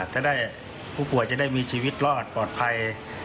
จะได้ผู้ป่วยจะได้มีชีวิตรอดปลอดภัย